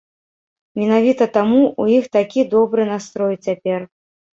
Менавіта таму ў іх такі добры настрой цяпер.